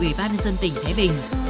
ủy ban dân tỉnh thái bình